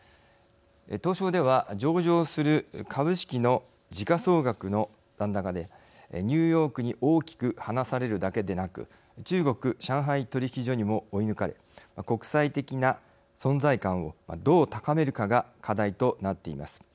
東証では上場する株式の時価総額の残高でニューヨークに大きく離されるだけでなく中国上海取引所にも追い抜かれ国際的な存在感をどう高めるかが課題となっています。